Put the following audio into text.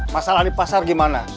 masalah di pasar gimana